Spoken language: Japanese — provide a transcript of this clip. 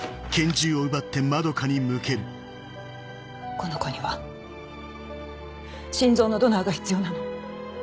この子には心臓のドナーが必要なの。